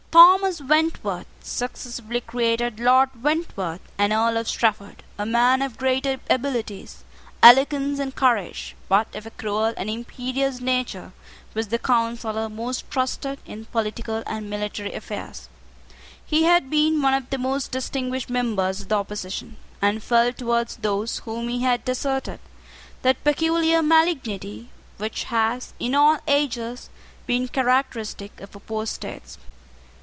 Thomas Wentworth, successively created Lord Wentworth and Earl of Strafford, a man of great abilities, eloquence, and courage, but of a cruel and imperious nature, was the counsellor most trusted in political and military affairs. He had been one of the most distinguished members of the opposition, and felt towards those whom he had deserted that peculiar malignity which has, in all ages, been characteristic of apostates.